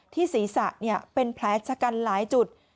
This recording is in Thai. ศีรษะเป็นแผลชะกันหลายจุด